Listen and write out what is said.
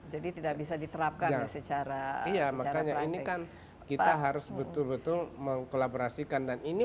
tidak bisa diterapkan secara ini kan kita harus betul betul mengkolaborasikan dan ini